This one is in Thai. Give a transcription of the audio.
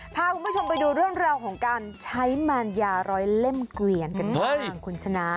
พาคุณผู้ชมไปดูเรื่องราวของการใช้แมนยาร้อยเล่มเกวียนกันบ้างคุณชนะ